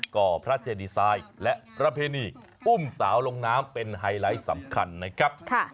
ก็พระเจดีไซน์และประเพณีอุ้มสาวลงน้ำเป็นไฮไลท์สำคัญนะครับ